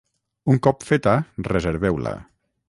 Un cop feta, reserveu-la